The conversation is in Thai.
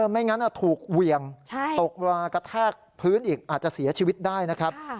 ไม่งั้นถูกเหวี่ยงตกรากระแทกพื้นอีกอาจจะเสียชีวิตได้นะครับ